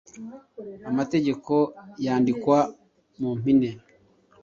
Amategeko yandikwa mu mpine.